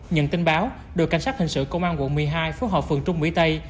nhận tin báo đội cảnh sát hình sự công an quận một mươi hai phố hợp phường trung mỹ tây